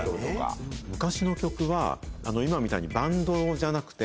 昔の曲は今みたいにバンドじゃなくて。